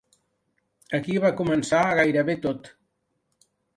Aquí va començar gairebé tot.